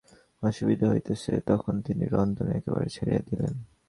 হরিমোহিনী যখন দেখিলেন জলের অসুবিধা হইতেছে তখন তিনি রন্ধন একেবারে ছাড়িয়াই দিলেন।